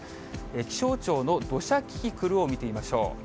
気象庁の土砂キキクルを見てみましょう。